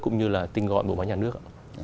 cũng như là tin gọi bộ máy nhà nước